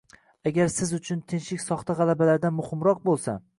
Agar siz uchun tinchlik soxta g‘alabalardan muhimroq bo‘lsa